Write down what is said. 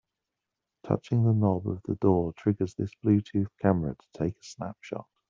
Touching the knob of the door triggers this Bluetooth camera to take a snapshot.